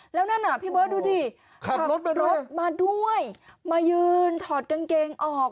แล้วนั่นอ่ะพี่เบิร์ตดูดิขับรถมาด้วยรถมาด้วยมายืนถอดกางเกงออก